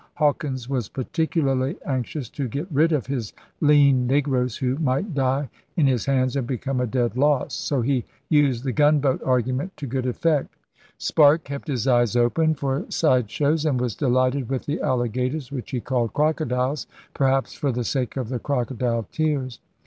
Hawkins was particularly anx ious to get rid of his 'lean negroes,' who might die in his hands and become a dead loss; so he used the 'gunboat argument' to good effect. Sparke kept his eyes open for side shows and was delighted with the alligators, which he called crocodiles, perhaps for the sake of the crocodile tears.